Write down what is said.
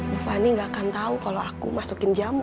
beneran untuk pokémon utama